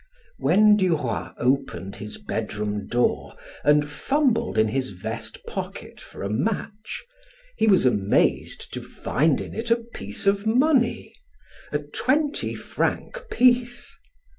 When Duroy opened his bedroom door and fumbled in his vest pocket for a match, he was amazed to find in it a piece of money a twenty franc piece!